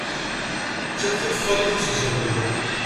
Cciɣ tiḍeffa-nni tizegzawin.